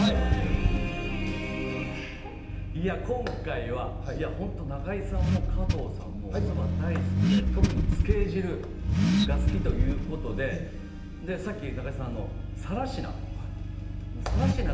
今回は本当、中井さんも加藤さんもそば大好きで、特につけ汁が好きということで、中井さん、先ほど更科と言っていましたね。